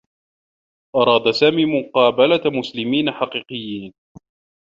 أراد سامي مقابلة مسلمين حقيقيّين.